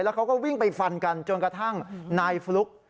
เขาก็วิ่งไปฟันกันจนกระทั่งนายฟลุ๊ก